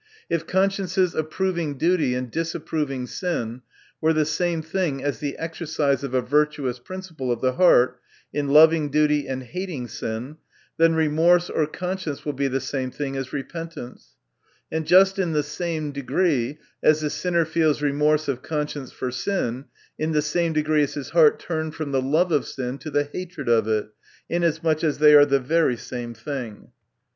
If conscience's approving duty and disapproving sin, were the same thing as the exercise of a virtuous princi ple of the heart, in loving duty and hating sin, then remorse of conscience will be the same thing as repentance ; and just in the same degree as the sinner feels remorse of conscience for sin, in the same degree is his heart turned from the love of sin to the hatred of it, inasmuch as they are the very same thing.